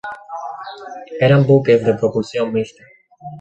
Eran buques de propulsión mixta.